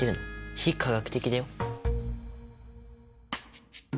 非科学的だよ。